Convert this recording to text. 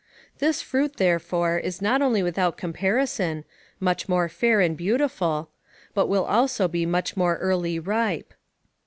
This fruit, therefore, is not only without comparison, much more fair and beautiful; but will also be much more early ripe.